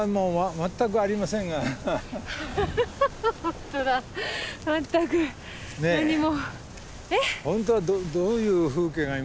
全く何も。